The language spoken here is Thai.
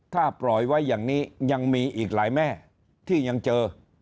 ถ้าปล่อยไว้อย่างนี้ยังมีอีกหลายแม่ที่ยังเจอ